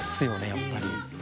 やっぱり。